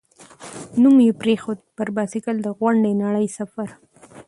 نوم یې پرېښود، «پر بایسکل د غونډې نړۍ سفر».